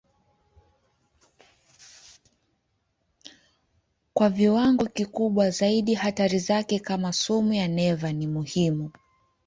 Kwa viwango kikubwa zaidi hatari zake kama sumu ya neva ni muhimu.